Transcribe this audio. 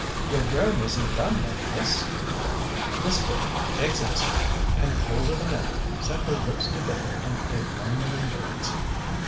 "Your room isn't done yet, miss." Miss Vivian, exasperated, and colder than ever, set her lips together in a line of endurance.